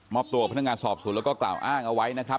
มอบตัวกับพนักงานทหารสอบสุดและกล่าวอ้างเอาไว้นะครับ